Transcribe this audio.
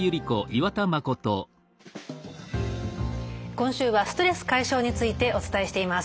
今週は「ストレス解消」についてお伝えしています。